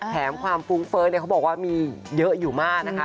แถมความฟุ้งเฟ้อเขาบอกว่ามีเยอะอยู่มากนะคะ